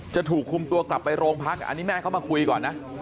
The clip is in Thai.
จะถูกคุมตัวกลับไปโรงพักอันนี้แม่เขามาคุยก่อนนะ